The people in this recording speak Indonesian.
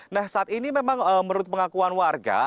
nah saat ini memang menurut pengakuan warga